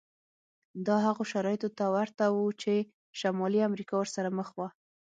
دا هغو شرایطو ته ورته و چې شمالي امریکا ورسره مخ وه.